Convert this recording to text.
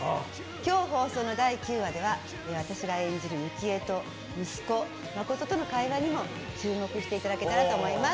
今日放送の第９話では私が演じる幸恵と息子・誠との会話にも注目していただけたらと思います。